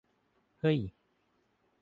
เห้ย